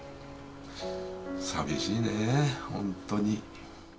寂しいねぇ、本当に。